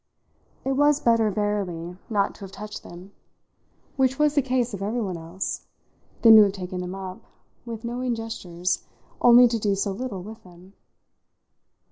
It was better verily not to have touched them which was the case of everyone else than to have taken them up, with knowing gestures, only to do so little with them.